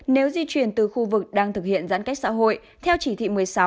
nếu di chuyển từ khu vực đang thực hiện giãn cách xã hội theo chỉ thị một mươi sáu